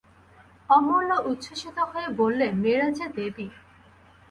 অমূল্য উচ্ছ্বসিত হয়ে বললে, মেয়েরা যে দেবী!